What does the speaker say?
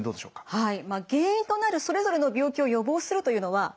はい。